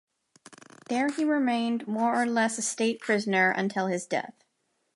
There he remained, more or less a state prisoner, until his death.